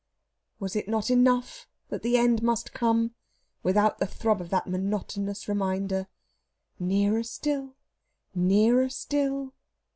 Was it not enough that the end must come, without the throb of that monotonous reminder: "Nearer still! nearer still!"